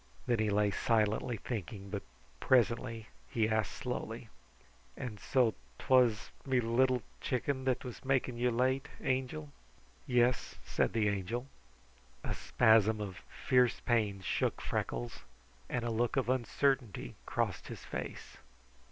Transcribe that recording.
Then he lay silently thinking, but presently he asked slowly: "And so 'twas me Little Chicken that was making you late, Angel?" "Yes," said the Angel. A spasm of fierce pain shook Freckles, and a look of uncertainty crossed his face.